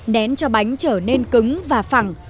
nén cho bánh trở nên cứng và phẳng